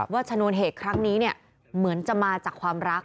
ชนวนเหตุครั้งนี้เหมือนจะมาจากความรัก